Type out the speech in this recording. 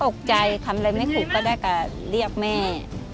ทำอะไรไม่ถูกก็ได้กับเรียกแม่